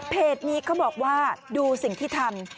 นี้เขาบอกว่าดูสิ่งที่ทำ